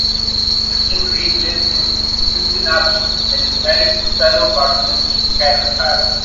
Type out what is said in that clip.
Justin Green lives in Cincinnati, and is married to fellow cartoonist Carol Tyler.